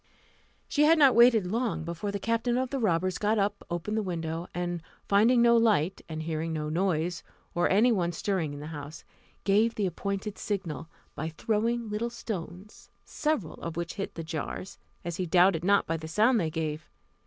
She had not waited long before the captain of the robbers got up, opened the window, and finding no light, and hearing no noise, or any one stirring in the house, gave the appointed signal, by throwing little stones, several of which hit the jars, as he doubted not by the sound they gave.